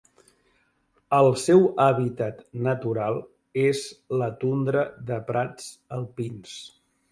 El seu hàbitat natural és la tundra de prats alpins.